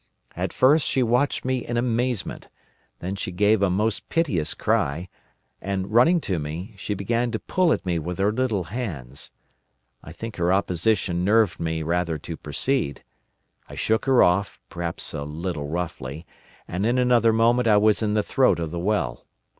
At first she watched me in amazement. Then she gave a most piteous cry, and running to me, she began to pull at me with her little hands. I think her opposition nerved me rather to proceed. I shook her off, perhaps a little roughly, and in another moment I was in the throat of the well.